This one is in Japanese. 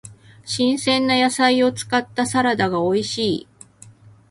新鮮な野菜を使ったサラダが美味しい。